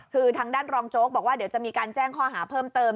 คือทางด้านรองโจ๊กบอกว่าเดี๋ยวจะมีการแจ้งข้อหาเพิ่มเติม